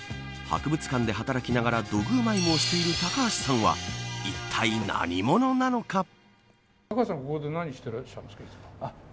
博物館で働きながら土偶マイムをしている高橋さんはいったい何者なのか。